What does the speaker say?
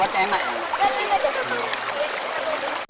ada jembatan ya